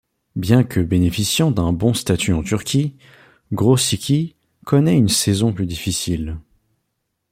Bien que bénéficiant d'un bon statut en Turquie, Grosicki connait une saison plus difficile.